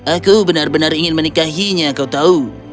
aku benar benar ingin menikahinya kau tahu